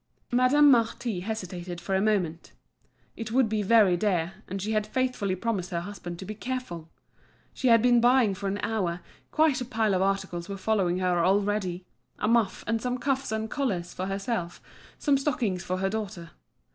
Madame Marty hesitated for a moment. It would be very dear, and she had faithfully promised her husband to be careful! She had been buying for an hour, quite a pile of articles were following her already: a muff and some cuffs and collars for herself, some stockings for her daughter.